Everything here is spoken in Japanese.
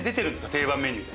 定番メニューで。